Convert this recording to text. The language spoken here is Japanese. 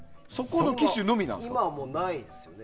今はもうないんですよね。